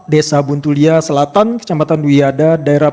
desa buntulia selatan kecamatan duhiada